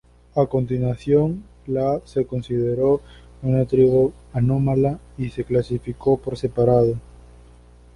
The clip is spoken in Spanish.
A continuación la se consideró una tribu anómala y se clasificó por separado.